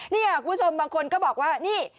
นี่คุณผู้ชมบางคนก็บอกว่านี่